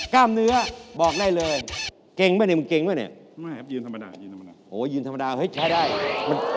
ขาเป็นร่างกายที่เราต้องใช้เดิน